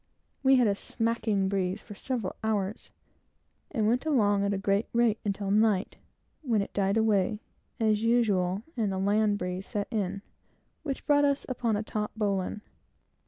We had a smacking breeze for several hours, and went along at a great rate, until night, when it died away, as usual, and the land breeze set in, which brought us upon a taut bowline.